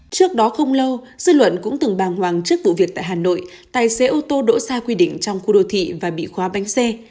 trước đó không lâu dư luận cũng từng bàng hoàng trước vụ việc tại hà nội tài xế ô tô đỗ sai quy định trong khu đô thị và bị khóa bánh xe